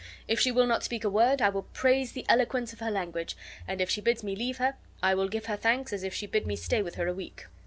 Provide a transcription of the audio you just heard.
If she will not speak a word, I will praise the eloquence of her language; and if she bids me leave her, I will give her thanks as if she bid me stay with her a week."